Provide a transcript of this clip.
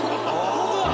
ホントだ！